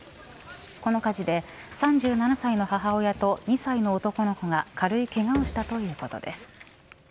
この火事で３７歳の母親と２歳の男の子が軽いけがをしたということです。